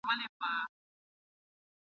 د مور لوري ته ځي